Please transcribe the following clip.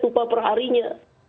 upah per harinya